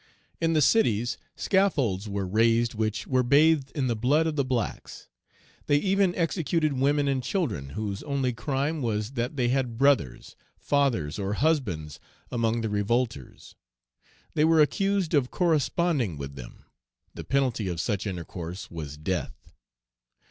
In the cities scaffolds were raised which were bathed in the blood of the blacks. They even executed women and children, whose only crime was that they had brothers, fathers, or husbands, among the revolters; they were accused of corresponding with them, the penalty of such intercourse was death.